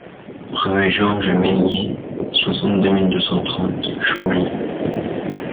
Rue Georges Méliés, soixante mille deux cent trente Chambly